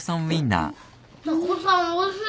タコさんおいしい。